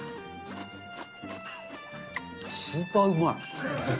スーパーうまい。